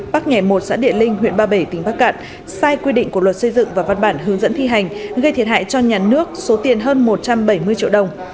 bắc nghè một xã địa linh huyện ba bể tỉnh bắc cạn sai quy định của luật xây dựng và văn bản hướng dẫn thi hành gây thiệt hại cho nhà nước số tiền hơn một trăm bảy mươi triệu đồng